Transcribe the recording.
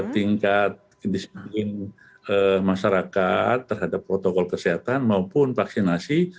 tingkat kedisiplin masyarakat terhadap protokol kesehatan maupun vaksinasi